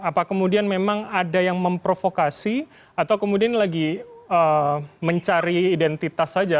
apa kemudian memang ada yang memprovokasi atau kemudian lagi mencari identitas saja